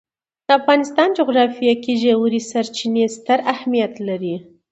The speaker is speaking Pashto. د افغانستان جغرافیه کې ژورې سرچینې ستر اهمیت لري.